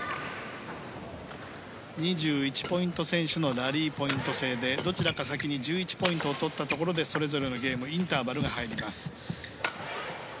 ２１ポイント先取のラリーポイント制でどちらか先に１１ポイントを取ったところでそれぞれのゲームのインターバルが入ります。